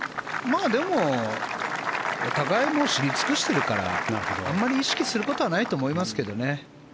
でも、お互い知り尽くしているからあまり意識することはないと思いますけどね。